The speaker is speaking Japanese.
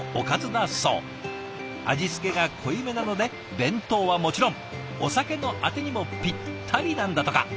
味付けが濃いめなので弁当はもちろんお酒のあてにもピッタリなんだとか。